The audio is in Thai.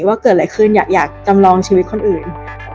ว่าเกิดอะไรขึ้นอยากจำลองชีวิตคนอื่น